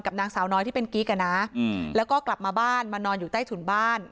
นางสาวน้อยที่เป็นกิ๊กอ่ะนะแล้วก็กลับมาบ้านมานอนอยู่ใต้ถุนบ้าน